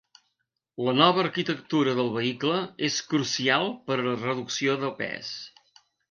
La nova arquitectura del vehicle és crucial per a la reducció de pes.